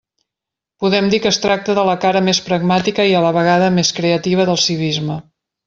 Podem dir que es tracta de la cara més pragmàtica i a la vegada més creativa del civisme.